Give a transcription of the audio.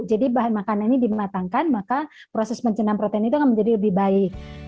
jadi bahan makanan ini dimatangkan maka proses pencenam protein itu akan menjadi lebih baik